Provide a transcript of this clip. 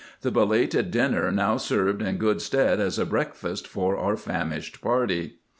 The belated dinner now served in good stead as a breakfast for our famished party.